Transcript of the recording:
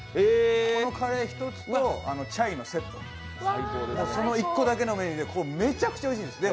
このカレーとチャイのセット、その１個だけのメニューでめちゃくちゃおいしいんです。